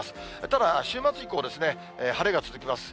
ただ、週末以降、晴れが続きます。